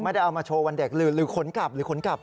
ไม่ได้เอามาโชว์วันเด็กหรือขนกลับหรือขนกลับ